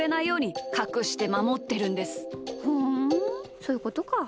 ふんそういうことか。